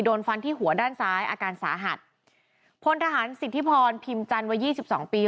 โดนฟันที่หัวด้านซ้ายอาการสาหัสพลทหารสิทธิพรพิมจันทร์วัยยี่สิบสองปี